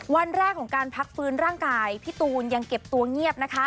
วันแรกของการพักฟื้นร่างกายพี่ตูนยังเก็บตัวเงียบนะคะ